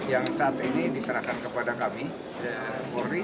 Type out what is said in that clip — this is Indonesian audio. yang saat ini diserahkan kepada kami polri